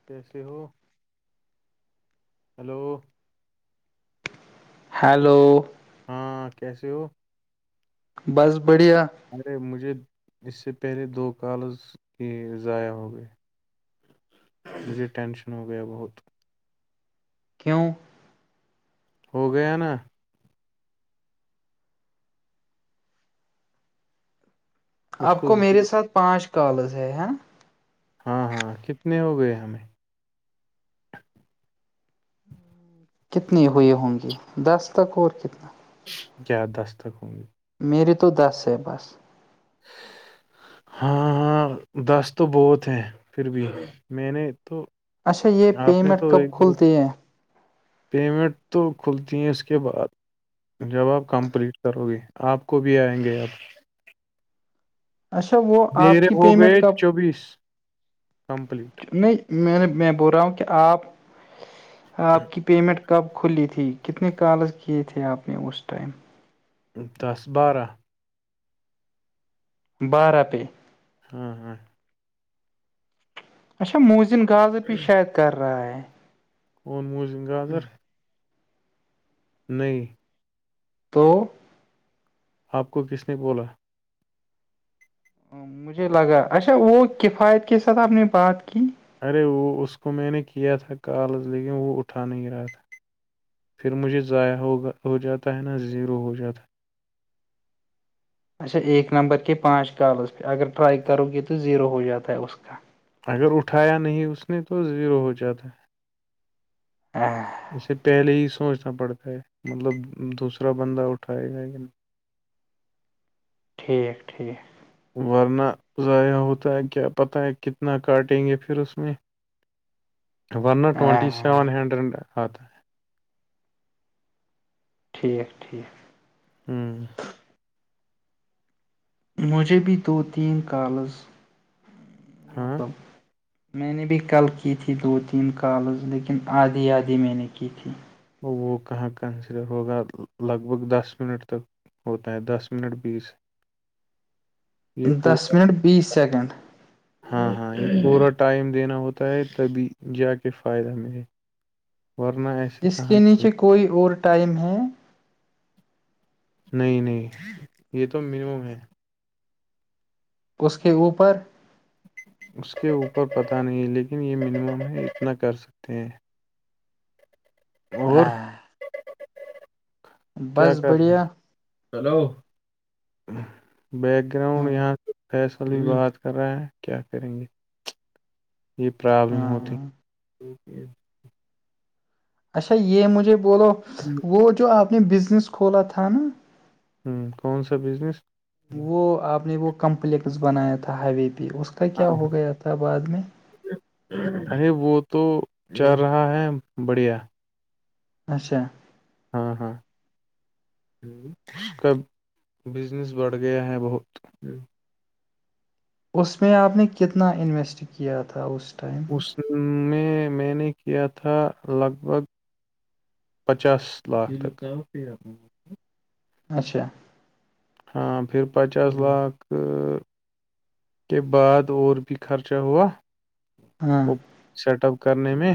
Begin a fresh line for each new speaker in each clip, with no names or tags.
[inaudible]
hello
ہاں کیسے ہو
بس بڑھیا
ارے مجھے اس سے پہلے دو کالز کی ضائع ہو گئے مجھے ٹینشن ہو گیا بہت
کیوں
ہو گیا نا اس
آپ کو میرے
زیرو-
ساتھ پانچ کالز ہے نا
ہاں ہاں کتنے ہو گئے ہمیں
کتنے ہوئے ہوں گے دس تک اور کتنا
کیا دس تک ہوں گے
میرری تو دس ہے بس
[inaudible] ہاں ہاں دس تو بہت ہیں پھر بھی میں نے تو
اچھا یہ
آپ نے
پیمنٹ
تو
کب
ایک دو
کھلتی ہے
پیمنٹ تو کھلتی ہیں اس کے بعد جب آاب کمپلیٹ کرو گے آپ کو بھی آئیں گے آپ
اچھا وہ آپ
میرے
کی
ہو گئے
پیمنٹ کب
چوبیس کمپلیٹ
نہیں میں میں بول رہا ہوں کہ آپ آپ کی پیمنٹ کب کھلی تھی کتنے کال کیے تھے آپ نے اس ٹائم
دس بارہ
بارہ پے
ہاں ہاں
اچا موزن غضر بھی شاید کر رہا ہے
کوون موزم گادر نہیں
تو
آپ کو کس نے بولا
مجھے لگا اچھا وہ کفایت کے ساتھ آپ نے بات کی
ارے وہ اس کو میں نے کیا تھا کال لیکن وہ اٹھا نہیں رہا تھا پھر مجھے ضائع ہو گا ہو جاتا ہے نا زیرو ہو جاتا ہے
اچھا ایک نمبر کے پانچ کالز پہ اگر ٹرائی کرو گے تو زیرو ہو جاتا ہے اس کا
اگر اٹھایا نہیں اس نے تو زیرو ہو جاتا
ہاں
اسے پہلے ہی سوچنا پڑتا ہے مطلب دوسرا بندہ اٹھائے گا کہ نہیں
ٹھیک ٹھیک
ورنہ ضائع ہوتا ہے کیا پتہ ہے کتنا کاٹیں گے پھر اس میں ورا ٹونٹی
ہاں
سیون ہنڈرینڈ آ تھا
ٹھیک ٹھیک
ہوں
مجھے بھی دو تین کالز
ہاں
مطلب میں نے بھی کل کی تھی دو تین کالز لیکن آدھی آدھی میں نے کی تھی
وہ کہاں کنسیڈر ہوگا لگ بھگ دس منٹ تک ہوتا ہے دس منٹ بیس یہ
دس
پورا
منٹ بیس سیکنڈ
ہاں ہاں یہ پورا ٹائم دینا ہوتا ہے تبھی جا کے فائدہ ملے ورنہ ایس
جس کے نیچے کوئی اور ٹائم ہے
نہیں نہیں یہ تو منیمم ہے
اس کے اوپر
اس کے اوپر پتہ نہیں ہے لیکن یہ منیمم ہے اتنا کر سکتے ہیں اور
ہاں
کیا
بس
کر رہے
بڑھیا
ہیں ہلو بیک
ہاں
گراؤنڈ یہاں فیصلی بات کر رہا ہے کیا کریں گے یہ پرابلم ہوتی
ہاں اچھا یہ مجھے بولو
ہ
وہ جو آپ نے بزنس کھولا تھا نا
ہوں کون سا بزنس
وہ آپ نے وہ کمپلیکس بنایا تھا ہوے پہ اس کا
ہاں
کیا ہو گیا تھا بعد میں
ارے وہ تو چل رہا ہے بڑھیا
اچھا
ہاں ہاں اس کا بزنس بڑھ گیا ہے بہت
اس میں آپ نے کتنا انویسٹ کیا تھا اس ٹائم
اس میں میں نے کیا تھا لگ بھگ پچاس لاکھاں پ
اچھا
ہاں پھر پچاس لاکھ کے بعد اور بھی خرچہ ہوا
ہاں
ا سیٹ اپ اپ کرنے میں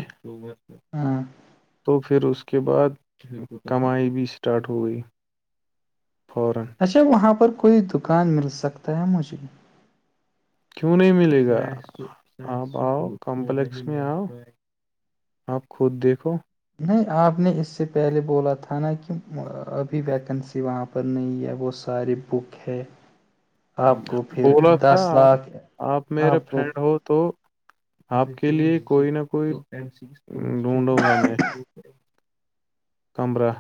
ہاں
تو پھر اس کے بعد کمائی بھی اسٹارٹ ہو گئی فورا
اچھا وہاں پر کوئی دکان مل سکتا ہے مجھے
کیوں نہیں ملے گا آپ آؤ کمپلیکس میں آؤ آپ خود دیکھو
نہیں آپ نے اس سے پہلے بولا تھا نا کہ ابھی ویکنسی وہاں پر پر نہیں ہے وہ سارے بک ہے آپ کو پھر
بولا تھا
دس
آپ
لاکھ
آپ میرے فرینڈ ہو تو آپ کے لیے کوئی نہ کوئی ڈھونڈوں گا میں کمرہ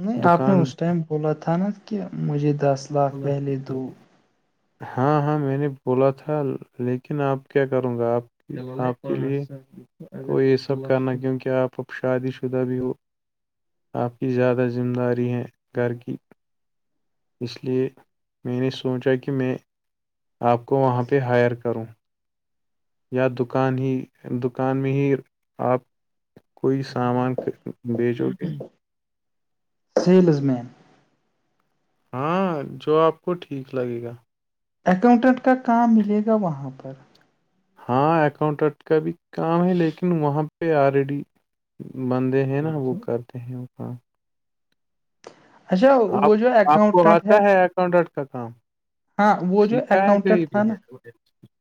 نہیں آپ نے
دکان
اس ٹائم بولا تھا نا کہ مجھے دس لاکھ
ال
پہلے
شک ج
دو
[inaudible] ہاں ہاں میں نے بولا تھا لیکن آپ کیا کروں گا آپ آپ [inaudible] وہ یہ سب کرنا کیونکہ آپ اب شادی شدہ بھی ہو آپ کی زیادہ ذمہ داری ہے گھر کی اس لیے میں نے سوچا کہ میں آپ کو وہاں پہ ہائر کروں یا دکان ہی دکان میں ہی آپ کوئی سامان بیچو [inaudible]
سیلز مین
ہاں جو آپ کو ٹھیک لگے گا
اکاؤنٹنٹ کا کام ملے گا وہاں پر
ہاں اکاؤنٹنٹ کا بھی کام ہے لیکن وہاں پہ آلریڈی بندے ہیں نا وہ کرتے ہیں وہ کام
اچھا
آپ
وہ جو
آپ کو
اکاؤنٹنٹ
آتا ہے اکاؤنٹنٹ کا کام
ہاں وہ جو
سیکھایا
اکاؤنٹنٹ
کہئی بھی
تھا نا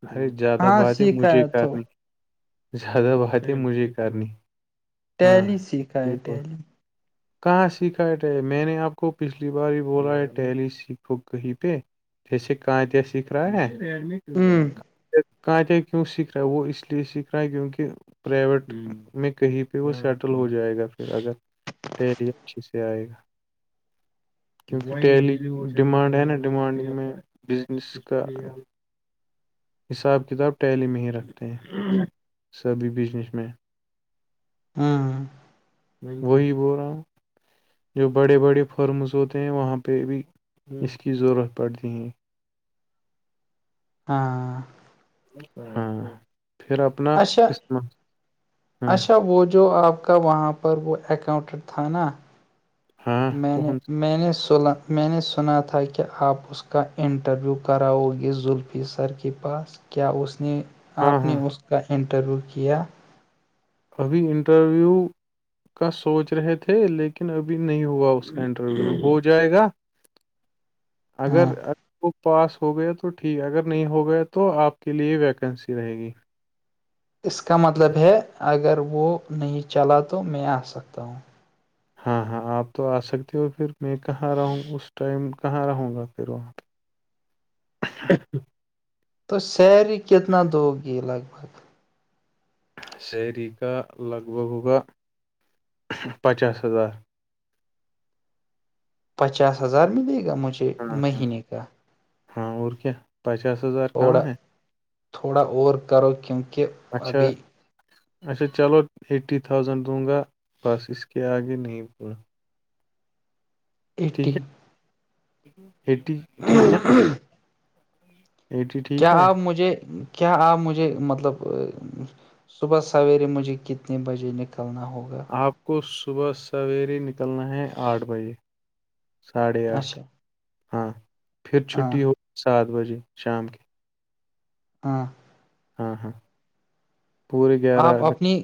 ارے زیادہ
ہاں
بات ہے
سیکھا
مجھے
تو
کرنی زیادہ بات ہے مجھے کرنی ہاں
دہلی
اس
سیکھا
لیے
ہے
بول-
دہلی [unintelligible]
[inaudible] کہاں سیکھا ہے ٹیلی میں نے آپ کو پچھلی بار ہی بولا ہے ٹیلی سیکھو کہیں پہ چس کتی س کریا
ہوں
[inaudible] کانٹ کیوں سیکھ رہا ہے وہ اس لیے سیکھ رہا ہے کیونکہ پرائیویٹ میں کہیں پہ وہ سیٹل ہو جائے گا پھر اگر پری اچھے سے آئے گا [unintelligible] کیونکہ ڈہلی ڈیمانڈ ہے نا ڈیمانڈ میں بزنس کا [unintelligible] حساب کتاب ٹیہلی میں ہی رکھتے ہیں سبھی بزنس میں
ہوں [inaudible]
وہی بول رہا ہوں جو بڑے بڑے فرمز ہوتے ہیں وہاں پہ بھی اس کی ضرورت پڑتی ہے
ہاں
ہاں پھر اپنا
اچھا
قسمت ہاں
اچھا وہ جو آپ کب وہاں پر وہ اکاؤنٹنٹ تھا نا
ہاں
نے
کون
نے سنا میں نے سنا تھا کہ آپ [unintelligible] اس کا انٹرویو کراؤ گے زلفی سر کے پاس کیا اس نے
ہاں
آپ نے
ہاں
اسک انٹرویو کیا [unintelligible]
ابھی انٹرویو کا سوچ رہے تھے لیکن ابھی نہیں ہوا اس کا انٹرویو ہو جائے گا
ہاں
اگر وہ پاس ہو گیا تو ٹھیک ہے اگر نہیں ہو گیا تو آپ کے لیے ویکنسی رہے گی
اس کا مطلب ہے اگر وہ نہیں چلا تو میں آ سکتا ہوں
ہاں ہاں آپ تو آ سکتے ہو پھر میں کہاں رہوں اس ٹائم کہاں رہوں گا پھر وہاں [unintelligible]
تو سیری کتنا دوگی لگ بھگ [unintelligible]
سیری کا لگ بھگ ہوگا پچاس ہزار
پچاس ہزار ملے گا مجھے
ہاں ہاں
مہینے کا [unintelligible]
ہاں اور کیا پچاس ہزار کم
تھوڑا
ہے
تھوڑا اور کرو کیونکہ
اچھا
ابھی
اچھا چلو ایٹی تھاؤزینڈ دوں گا بس اس کے آگے نہیں پا
ایٹی
ہیٹی ٹھیک ہے [unintelligible]
کیا
ٹھیک ہے
آپ مجھے کیا آپ مجھے مطلب [unintelligible] صبح سویرے مجھے کتنے بجے نکلنا ہوگا
آپ کو صبح سویرے نکلنا ہے آٹھ بجے ساڑھے آٹھ
اچھا
ہاں پھر
ہاں
چھٹی ہو سات بجے شام کے
ہاں [unintelligible]
ہاں ہاں [unintelligible] پورے گیارہ
آپ
گھنٹے
اپنی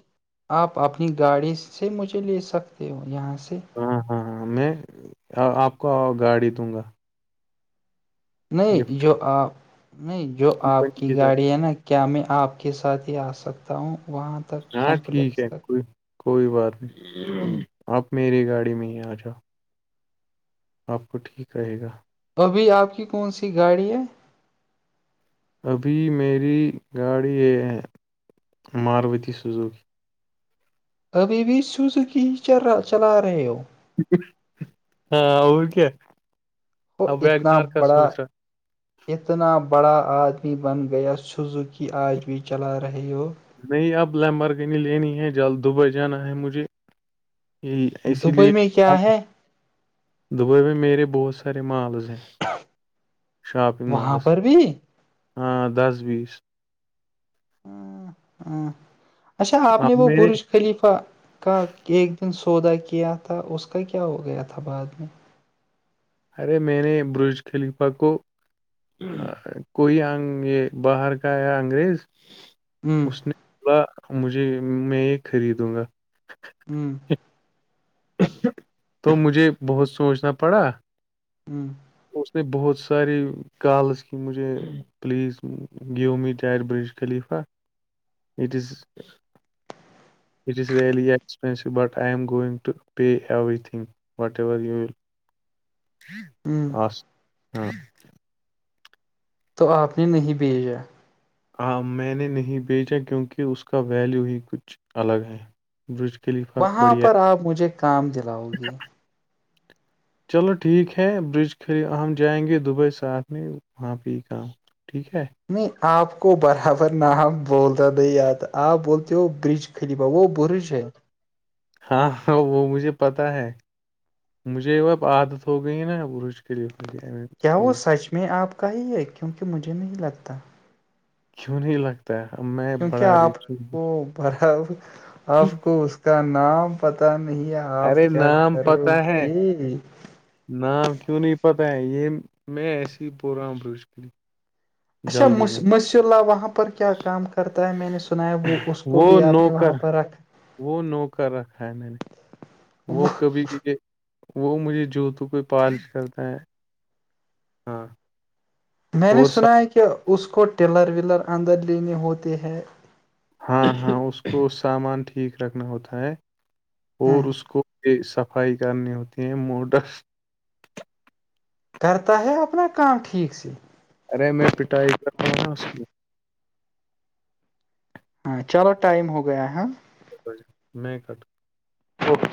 آپ اپنی گاڑی سے مجھے لے سکتے ہو یہاں سے
ہاں ہاں ہاں میں آپ کو گاڑی دوں گا
نہیں
گفٹ
جو آپ نہیں جو آپ
کمپنی
کی
طرف
گاڑی ہے نا کیا میں آپ کے ساتھ ہی آ سکتا ہوں وہاں [unintelligible]
ہاں ٹھیک
کمپلیکس
ہے
تک
کوئی کوئی بات نہیں آپ میری گاڑی میں ہی آ جاؤ [unintelligible] آپ کو ٹھیک رہے گا
ابھی آپ کی کون سی گاڑی ہے
ابھی میری گاڑی یہ ہے ماروتی سزو کی
ابھی بھی سوزکی ہی چلا رہے ہو
ہاں اور کیا
وہ
اب
اتنا
ویگنار کا
بڑا
سوچ رہا [unintelligible] [inaudible]
اتنا بڑا آدمی بن گیا سوزو کی آج بھی چلا رہے ہو
نہیں اب لمبرک نہیں لینی ہے جلد دبئی جانا ہے مجھے یہ اسی لیے
دبئی میں کیا ہے
دبئی میں میرے بہت سارے مالز ہیں شاپنگ
وہاں
مالس
پر بھی
ہاں دس بیس
ہاں اچھا آپ نے
اب
وہ
میرے
پش خلیفہ کا ایک دن سودا کیا تھا اس کا کیا ہو گیا تھا بعد میں [unintelligible]
ارے میں نے برج خلیفہ کو کوئی یہ باہر کا یا انگریز
میں
اس نے بولا مجھے میں یہ خریدوں گا
ہوں [unintelligible]
تو مجھے بہت سوچنا پڑا
ہوں [unintelligible]
اس نے بہت ساری کالس کی مجھے پلیز [unintelligible] گیمی طار Burj Khalifa it is it is really expensive but I am going to pay everything whatever you will آ ہاں [unintelligible]
تو آپ نے نہیں بھیجا
ہاں میں نے نہیں بھیجا کیونکہ اس کا ویلیو ہی کچھ الگ ہے برج کے لیفا
وہاں
بڑھیا
پر آپ مجھے کام دلاؤ گے
چلو ٹھیک ہے برج کھے ہم جائیں گے دبئی ساتھ میں وہاں پہ ہی کام ٹھیک ہے
نہیں آپ کو برابر نہ بولتا تھا یاد آپ بولتے ہو برج خری با وہ بھی سے ہے
ہاں ہاں وہ مجھے پتا ہے مجھے وہ اب عادت ہو گئی نا رجکلی ہو گیا
کیا وہ سچ میں آپ کا ہی ہے کیونکہ مجھے نہیں لگتا
کیوں نہیں لگتا ہے اب میں بڑا ریچ
پر اب آپ کو اس کا نام پتا نہیں آ
ارے
آپ کیا
نام
کرو
پتا ہے
گی
نام کیو نہ ہی پتہ ہے یہم میں ای پوگر عام رج کرری
اچھا مس اللہ وہاں پر کیا کام کرتا ہے میں نے سنا ہے وہ اس کو
وہ
بھی آپ نے وہاں
نوکر
پر رکھا
وہ نوکر رکھا ہے میں نے وہ کبھی بھی وہ مجھے جوتوں کوئی پالش کرتا ہے ہاں
میں نے
اور سا-
سنا ہے کہ اس کو ٹلر ولر اندر لینے ہوتے ہے
ہاں ہاں اس کو سامان ٹھیک رکھنا ہوتا ہے
ہاں
اور اس کو کی صفائی کرنی ہوتی ہیں موٹر
کرتا ہے اپنا کام ٹھیک سے
ارے میں پٹائی کرتا ہوں نا اس کی
ہاں چلو ٹائم ہو گیا ہے
میکٹ
اوکے